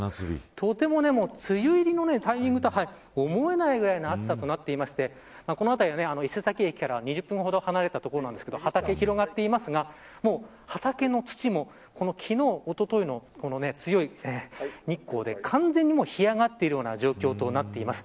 とても梅雨入りのタイミングとは思えないぐらいの暑さとなっていてこの辺りは伊勢崎駅から２０分ほど離れた所ですが畑が広がっていますがもう、畑の土も昨日、おとといの強い日光で完全に干上がっているような状況となっています。